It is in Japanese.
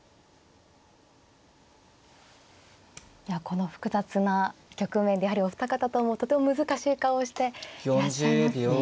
この複雑な局面でやはりお二方ともとても難しい顔をしていらっしゃいますね。